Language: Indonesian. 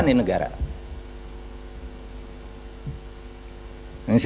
sudah berusaha nih negara